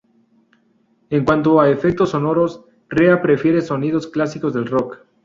En cuanto a efectos sonoros, Rea prefiere sonidos clásicos del rock.